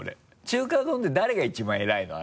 中華丼って誰が一番偉いの？